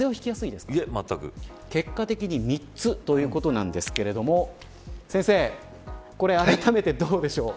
結果的に３つということなんですけれども先生、これあらためてどうでしょう。